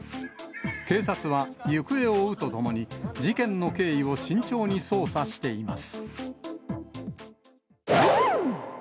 警察は行方を追うとともに、事件の経緯を慎重に捜査しています。